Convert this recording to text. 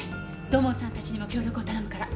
土門さんたちにも協力を頼むから。